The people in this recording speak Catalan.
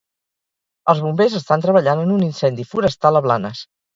Els Bombers estan treballant en un incendi forestal a Blanes.